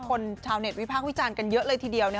ชาวเน็ตวิพากษ์วิจารณ์กันเยอะเลยทีเดียว